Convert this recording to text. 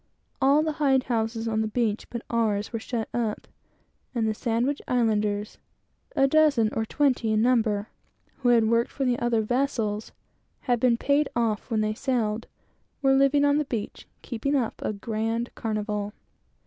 All the hide houses on the beach, but ours, were shut up, and the Sandwich Islanders, a dozen or twenty in number, who had worked for the other vessels and been paid off when they sailed, were living on the beach, keeping up a grand carnival.